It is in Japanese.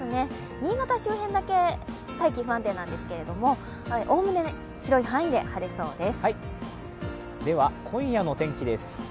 新潟周辺だけ大気が不安定なんですけれども、おおむね広い範囲で晴れそうです。